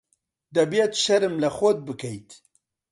دەبێت شەرم لە خۆت بکەیت.